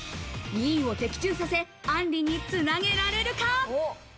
２位を的中させ、あんりに繋げられるか？